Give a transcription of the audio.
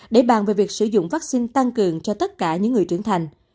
để bàn về việc sử dụng vaccine tăng cường cho tất cả những người trưởng thành